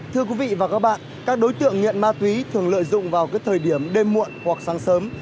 thưa quý vị và các bạn các đối tượng nghiện ma túy thường lợi dụng vào thời điểm đêm muộn hoặc sáng sớm